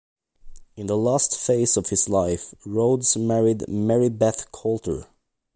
In the last phase of his life, Rhodes married Mary Beth Coulter.